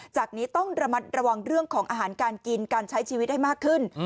จากนี้ต้องระมัดระวังเรื่องของอาหารการกินการใช้ชีวิตให้มากขึ้น